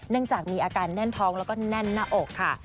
จากมีอาการแน่นท้องแล้วก็แน่นหน้าอกค่ะ